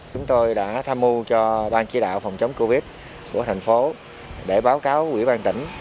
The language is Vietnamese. chúng tôi đã tham mưu cho ban chỉ đạo phòng chống covid của thành phố để báo cáo quỹ ban tỉnh